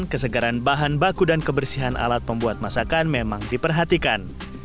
kesegaran bahan baku dan kebersihan alat pembuat masakan memang diperhatikan